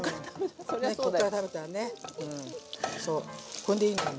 こんでいいんだよ